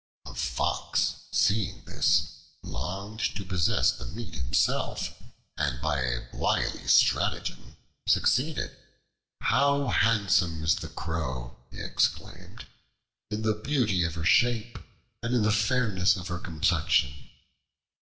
A Fox, seeing this, longed to possess the meat himself, and by a wily stratagem succeeded. "How handsome is the Crow," he exclaimed, "in the beauty of her shape and in the fairness of her complexion!